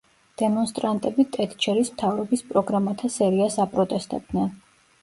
დემონსტრანტები ტეტჩერის მთავრობის პროგრამათა სერიას აპროტესტებდნენ.